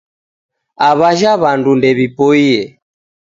Aw'ajha w'andu ndew'ipoie.